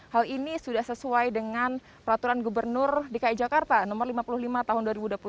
hal ini sudah sesuai dengan peraturan gubernur dki jakarta no lima puluh lima tahun dua ribu dua puluh satu